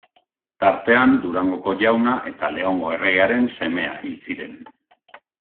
Tartean Durangoko Jauna eta Leongo erregearen semea hil ziren.